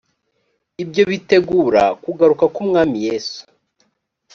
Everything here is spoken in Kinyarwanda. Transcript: ibyo bitegura kugaruka k’umwami yesu